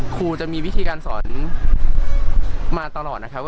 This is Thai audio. ครูจะมีวิธีการสอนมาตลอดนะครับ